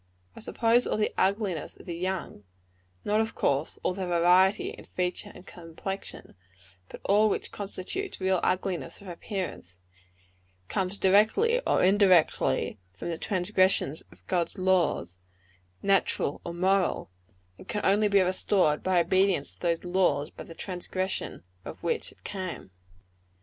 I suppose all the ugliness of the young not, of course, all their variety of feature or complexion, but all which constitutes real ugliness of appearance comes directly or indirectly from the transgression of God's laws, natural or moral; and can only be restored by obedience to those laws by the transgression of which it came.